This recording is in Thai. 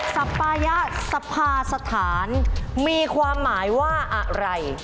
สัปปายะสภาสถานมีความหมายว่าอะไร